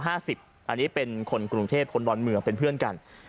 อันนี้เป็นคนกรุงเทพคนดอนเมืองเป็นเพื่อนกัน